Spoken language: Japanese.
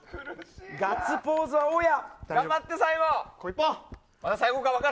ガッツポーズは大矢。